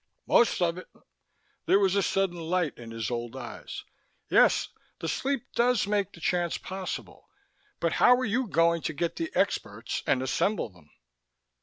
"Most of it." There was a sudden light in his old eyes. "Yes, the sleep does make the chance possible. But how are you going to get the experts and assemble them?"